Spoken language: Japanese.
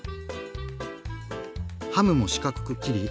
ハムも四角く切り